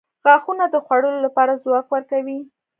• غاښونه د خوړلو لپاره ځواک ورکوي.